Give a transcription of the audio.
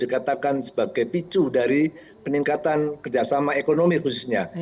saya katakan sebagai picu dari peningkatan kerjasama ekonomi khususnya